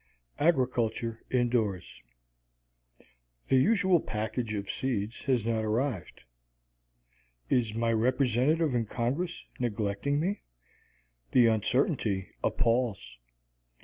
AGRICULTURE INDOORS The usual package of seeds has not arrived. Is the Hon. , my Representative in Congress, neglecting me? The uncertainty appals.